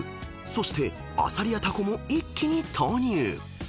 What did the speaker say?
［そしてアサリやタコも一気に投入］